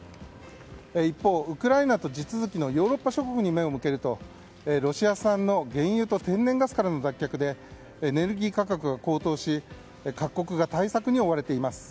一方、ウクライナと地続きのヨーロッパ諸国に目を向けると、ロシア産の原油と天然ガスからの脱却でエネルギー価格が高騰し各国が対策に追われています。